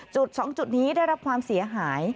จุด๒จุดนี้ได้รับความเสียหาย